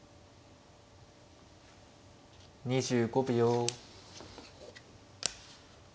２５秒。